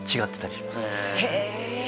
へえ！